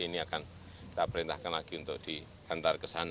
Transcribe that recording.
ini akan kita perintahkan lagi untuk dihantar ke sana